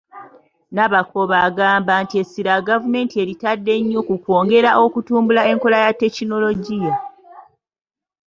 Nabakooba agamba nti essira gavumenti eritadde nnyo ku kwongera okutumbula enkola ya Tekinologiya.